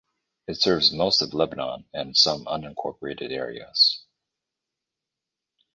It serves most of Lebanon and some unincorporated areas.